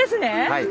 はい！